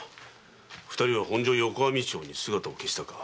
二人は本所横網町に姿を消したか。